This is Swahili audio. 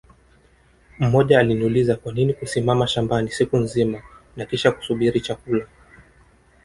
Mmoja aliniuliza Kwanini kusimama shambani siku nzima na kisha kusubiri chakula